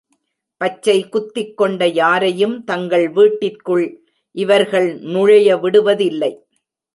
பச்சை குத்திக் கொண்ட யாரையும் தங்கள் வீட்டிற்குள் இவர்கள் நுழைய விடுவதில்லை.